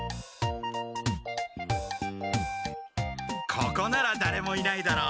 ここならだれもいないだろう。